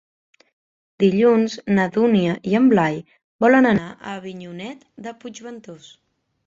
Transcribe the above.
Dilluns na Dúnia i en Blai volen anar a Avinyonet de Puigventós.